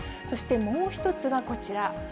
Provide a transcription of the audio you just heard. そしてもう１つがこちら。